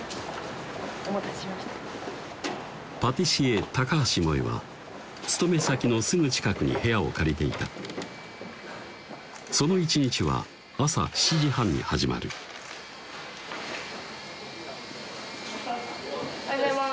お待たせしましたパティシエ・橋萌は勤め先のすぐ近くに部屋を借りていたその一日は朝７時半に始まるおはようございます